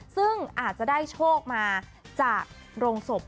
ซึ่งอาจจะได้โชคมาจากโรงศพ